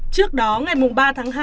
trước đó ngày ba tháng hai